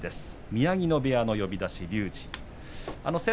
宮城野部屋の呼出しです。